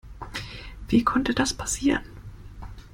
Wie konnte das passieren?